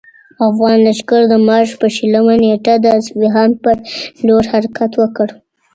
افغان لښکر د مارچ په شلمه نېټه د اصفهان پر لور حرکت وکړ.